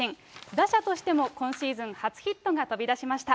打者としても今シーズン初ヒットが飛び出しました。